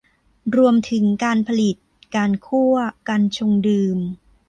รวมถึงการผลิต การคั่ว การชงดื่ม